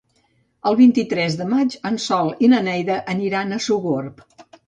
El vint-i-tres de maig en Sol i na Neida aniran a Sogorb.